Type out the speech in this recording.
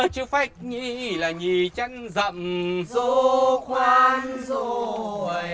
chữ phách nh là nh chân rậm dô khoan dô hầy